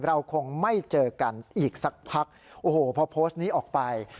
เราคงไม่เจอกันอีกสักพักโอ้โหพอโพสต์นี้ออกไป